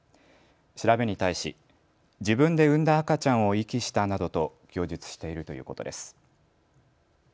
調べに対し自分で産んだ赤ちゃんを遺棄したなどと供述しているということです。